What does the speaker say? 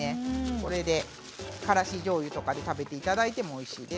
これで、からしじょうゆとかで食べていただいてもおいしいです。